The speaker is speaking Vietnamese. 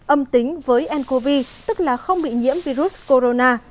âm tính với ncov tức là không bị nhiễm virus corona